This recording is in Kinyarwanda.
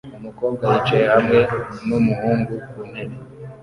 Umukobwa yicaye hamwe numuhungu ku ntebe